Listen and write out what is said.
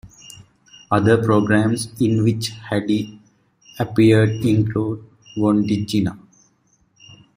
Other programmes in which Haddy appeared include Wandjina!